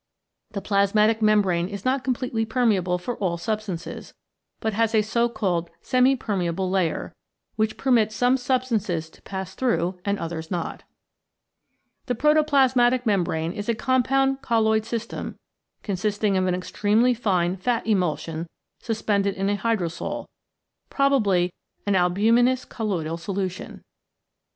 The plasmatic membrane is not completely permeable for all substances, but has a so called semi permeable layer, which permits some substances to pass through and others not. The protoplas matic membrane is a compound colloid system consisting of an extremely fine fat emulsion sus pended in a hydrosol, probably an albuminous colloidal solution.